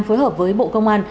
phối hợp với bộ công an